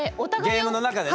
ゲームの中でね。